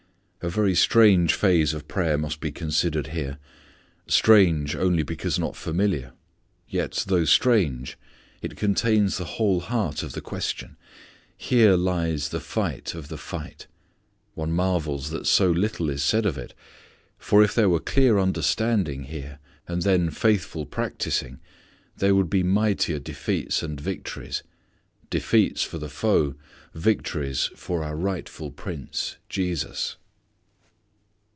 A very strange phase of prayer must be considered here. Strange only because not familiar. Yet though strange it contains the whole heart of the question. Here lies the fight of the fight. One marvels that so little is said of it. For if there were clear understanding here, and then faithful practicing, there would be mightier defeats and victories: defeats for the foe; victories for our rightful prince, Jesus.